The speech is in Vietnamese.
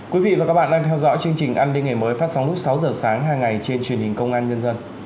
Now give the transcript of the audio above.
quý vị và các bạn đang theo dõi chương trình an ninh ngày mới phát sóng lúc sáu giờ sáng hàng ngày trên truyền hình công an nhân dân